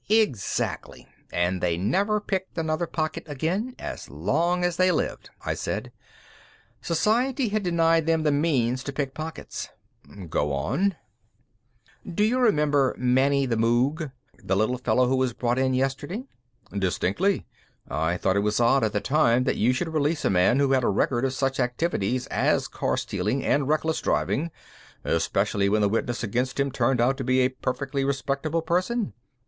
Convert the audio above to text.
"Exactly. And they never picked another pocket again as long as they lived." I said. "Society had denied them the means to pick pockets." "Go on." "Do you remember Manny the Moog? The little fellow who was brought in yesterday?" "Distinctly. I thought it was odd at the time that you should release a man who has a record of such activities as car stealing and reckless driving, especially when the witness against him turned out to be a perfectly respectable person.